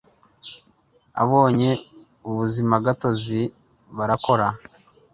ababonye ubuzimagatozi barakora